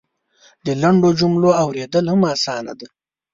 د لنډو جملو اورېدل هم اسانه دی.